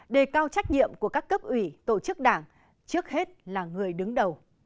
đề cao trách nhiệm của các cấp ủy tổ chức đảng trước hết là người đứng đầu